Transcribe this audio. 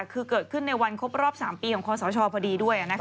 คือเกิดขึ้นในวันครบรอบ๓ปีของคอสชพอดีด้วย